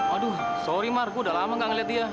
aduh sorry mar gua udah lama gak ngeliat dia